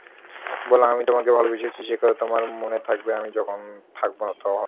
বলো, আমি তোমাকে ভালোবেসেছি সে-কথা তোমার মনে থাকবে আমি যখন থাকব না তখনও।